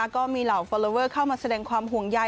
ก็มีเหล่าฟอลลอเวอร์เข้ามาแสดงความห่วงใย